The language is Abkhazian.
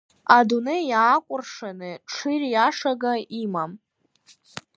Адунеи иаакәыршаны ҽыриашага имам!